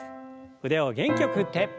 腕を元気よく振って。